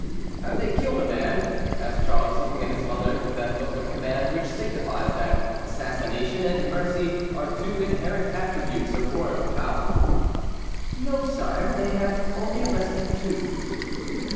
"Have they killed a man?" asked Charles, looking at his mother with that look of command which signifies that assassination and mercy are two inherent attributes of royal power. "No, sire, they have only arrested two."